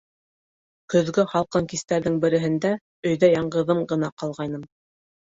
Көҙгө һалҡын кистәрҙең береһендә өйҙә яңғыҙым ғына ҡалғайным.